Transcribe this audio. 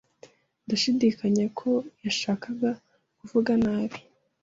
Ndashidikanya ko yashakaga kuvuga nabi.